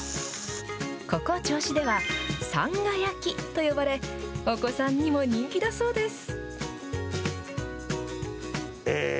ここ銚子では、さんが焼きと呼ばれ、お子さんにも人気だそうです。